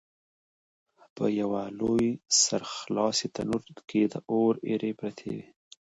په یوه لوی سره خلاص تنور کې د اور ایرې پرتې وې.